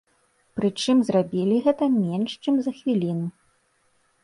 Прычым зрабілі гэта менш чым за хвіліну.